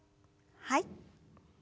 はい。